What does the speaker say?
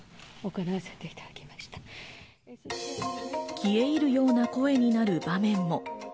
消え入るような声になる場面も。